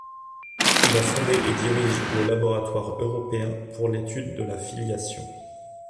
Il a fondé et dirige le Laboratoire européen pour l'étude de la filiation.